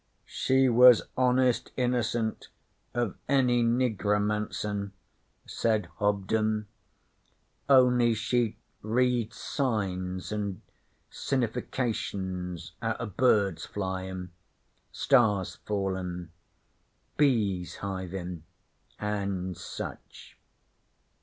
'She was honest innocent of any nigromancin',' said Hobden. 'Only she'd read signs and sinnifications out o' birds flyin', stars fallin', bees hivin', and such.